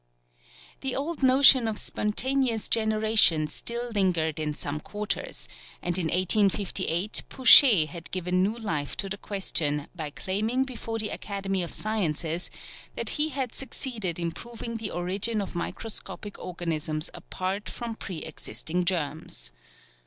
The old notion of spontaneous generation still lingered in some quarters, and in 1858 Pouchet had given new life to the question by claiming before the Academy of Sciences that he had succeeded in proving the origin of microscopic organisms apart from pre existing germs.